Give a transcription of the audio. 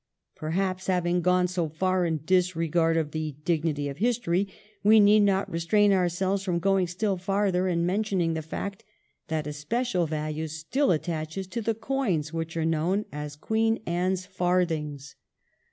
Perhaps, having gone so far in disregard of the dignity of history, we need not restrain ourselves from going still farther and mentioning the fact that especial value still attaches to the coins which are known as Queen Anne's farthings.